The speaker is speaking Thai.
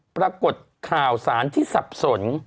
ปรากฏข่าวสารที่สับสน